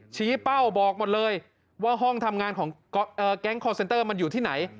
เป้าบอกหมดเลยว่าห้องทำงานของแก๊งคอร์เซนเตอร์มันอยู่ที่ไหน